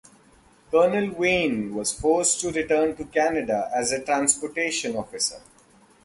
Colonel Wain was forced to return to Canada as a transportation officer.